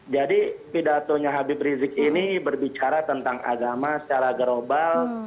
jadi pidatonya habib rizik ini berbicara tentang agama secara global